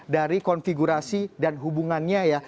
dari konfigurasi dan hubungannya ya